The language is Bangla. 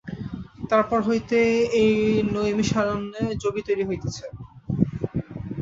তার পর হইতে এই নৈমিষারণ্যে যোগী তৈরি হইতেছে।